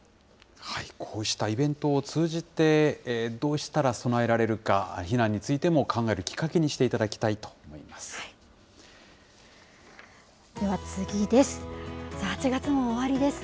こうしたイベントを通じて、どうしたら備えられるか、避難についても考えるきっかけにしていただきたいと思います。